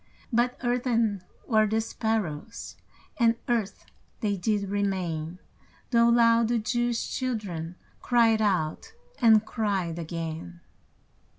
But earthen were the sparrows, And earth they did remain, Though loud the Jewish children Cried out, and cried again.